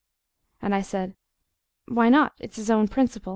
And I said: "Why not? It's his own principal."